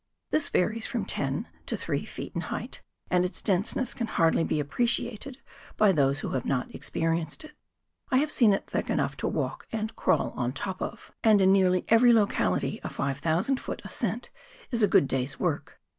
This varies from ten to three feet in height, and its denseness can hardly be appreciated by those who have not experienced it. I have seen it thick enough to walk and crawl on the top of, and in WAIHO RIVER THE HIGH COUNTRY. 65 nearly every locality a 500 ft. ascent is a good day's work.